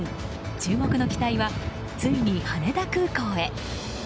注目の機体はついに羽田空港へ。